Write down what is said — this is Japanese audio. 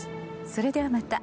それではまた。